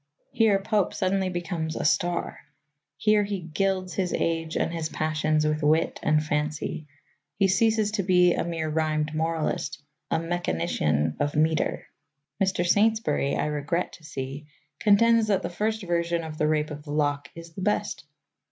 Here Pope suddenly becomes a star. Here he gilds his age and his passions with wit and fancy; he ceases to be a mere rhymed moralist, a mechanician of metre. Mr. Saintsbury, I regret to see, contends that the first version of The Rape of the Lock is the best.